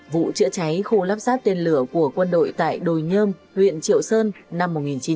vụ chữa cháy khu lắp sát tên lửa của quân đội tại đồi nhơm huyện triệu sơn năm một nghìn chín trăm bảy mươi